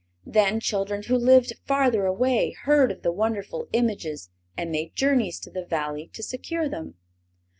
Then children who lived farther away heard of the wonderful images and made journeys to the Valley to secure them.